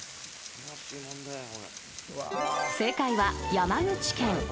［正解は山口県］